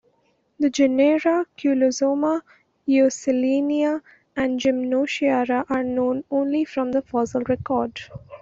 The genera "Culozoma", "Eosalenia", and "Gymnotiara" are known only from the fossil record.